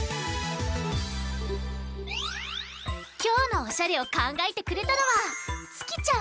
きょうのおしゃれをかんがえてくれたのはつきちゃん。